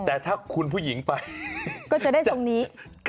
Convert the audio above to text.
แต่ถ้าคุณผู้หญิงไปก็จะได้ตรงนี้